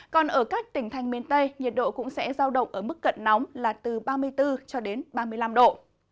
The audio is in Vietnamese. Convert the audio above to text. còn ở các tỉnh thành miền tây nhiệt độ cũng sẽ giao động ở mức cận nóng là từ ba mươi bốn cho đến ba mươi năm độ